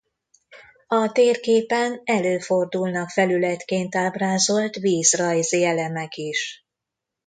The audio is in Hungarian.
A térképen előfordulnak felületként ábrázolt vízrajzi elemek is.